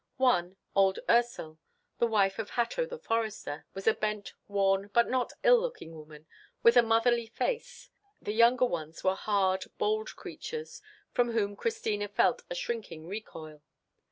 One, old Ursel, the wife of Hatto the forester, was a bent, worn, but not ill looking woman, with a motherly face; the younger ones were hard, bold creatures, from whom Christina felt a shrinking recoil.